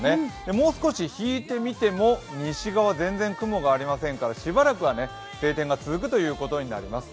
もう少し引いて見ても西側、全然雲がありますからしばらくは晴天が続くことになります。